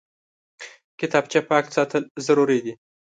کتابچه پاک ساتل ضروري دي